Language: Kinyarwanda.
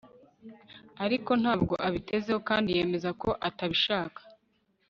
ariko ntabwo abitezeho kandi yemeza ko atabishaka